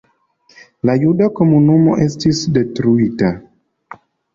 La juda komunumo estis detruita.